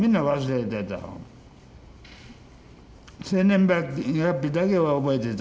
生年月日だけは覚えてた。